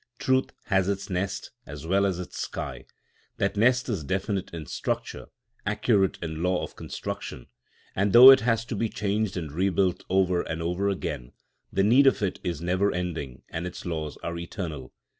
Truth has its nest as well as its sky. That nest is definite in structure, accurate in law of construction; and though it has to be changed and rebuilt over and over again, the need of it is never ending and its laws are eternal.